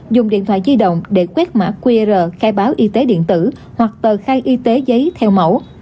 dùng điện thoại di động để quét mã qr khai báo y tế điện tử hoặc tờ khai y tế giấy theo mẫu